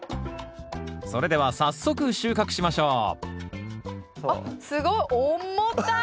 それでは早速収穫しましょうあっすごい重たっ！